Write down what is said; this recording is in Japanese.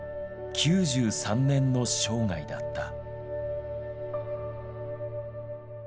９３年の生涯だった。